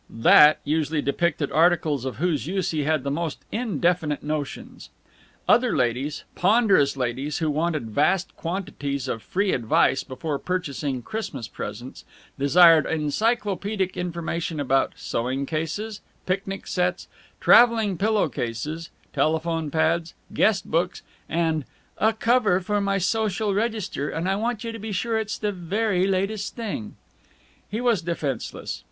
"That" usually depicted articles of whose use he had the most indefinite notions. Other ladies, ponderous ladies, who wanted vast quantities of free advice before purchasing Christmas presents, desired encyclopedic information about sewing cases, picnic sets, traveling pillow cases, telephone pads, guest books, and "a cover for my Social Register, and I want you to be sure it's the very latest thing." He was defenseless.